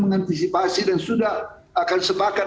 mengantisipasi dan sudah akan sepakat